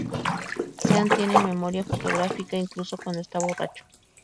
Sean tiene memoria fotográfica incluso cuando está borracho.